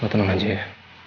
lu tenang aja ya